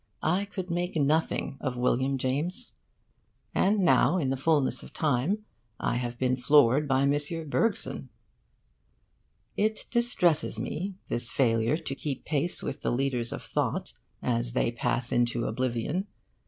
I could make nothing of William James. And now, in the fullness of time, I have been floored by M. Bergson. It distresses me, this failure to keep pace with the leaders of thought as they pass into oblivion.